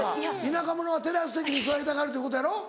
田舎者はテラス席に座りたがるってことやろ？